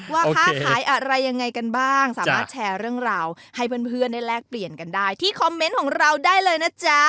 ว่าค้าขายอะไรยังไงกันบ้างสามารถแชร์เรื่องราวให้เพื่อนได้แลกเปลี่ยนกันได้ที่คอมเมนต์ของเราได้เลยนะจ๊ะ